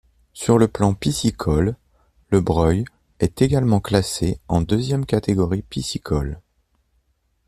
Sur le plan piscicole, le Breuil est également classé en deuxième catégorie piscicole.